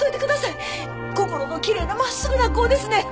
心のきれいな真っすぐな子ですねん！